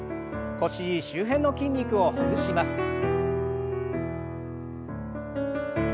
腰周辺の筋肉をほぐします。